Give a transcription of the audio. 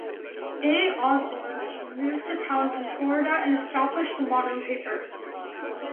A. Osborne moved to town from Florida and established the modern paper.